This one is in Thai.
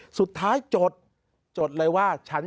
๖จำว่าเราต้องจ่ายชำระหนี้วันไหน